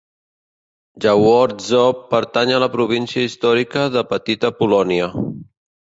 Jaworzno pertany a la província històrica de Petita Polònia.